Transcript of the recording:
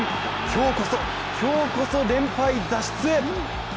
今日こそ、今日こそ連敗脱出へ。